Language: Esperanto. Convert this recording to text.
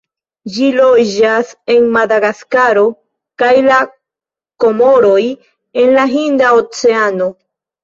Ĝi loĝas en Madagaskaro kaj la Komoroj en la Hinda Oceano.